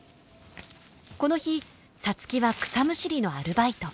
この日皐月は草むしりのアルバイト。